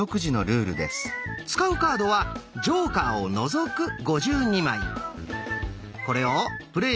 使うカードはジョーカーを除く５２枚。